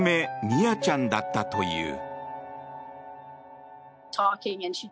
ミアちゃんだったという。